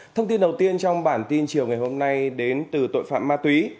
thông tin đầu tiên trong bản tin chiều ngày hôm nay đến từ tội phạm ma túy